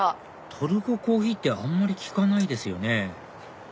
トルココーヒーってあんまり聞かないですよね